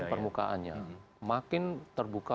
permukaannya makin terbuka